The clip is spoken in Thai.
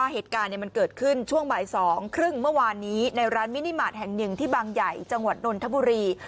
หนึ่งที่บางใหญ่จังหวัดนรรทะบุรี